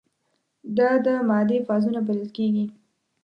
دا د مادې فازونه بلل کیږي.